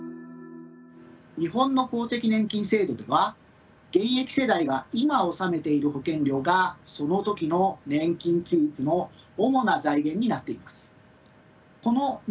日本の公的年金制度では現役世代が今納めている保険料がその時の年金給付の主な財源になっています。